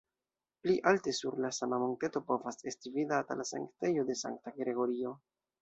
Pli alte sur la sama monteto povas esti vidata la sanktejo de sankta Gregorio.